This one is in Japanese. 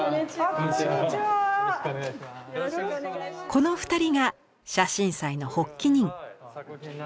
この二人が写真祭の発起人。